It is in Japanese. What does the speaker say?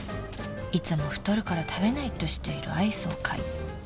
［いつも太るから食べないとしているアイスを買い］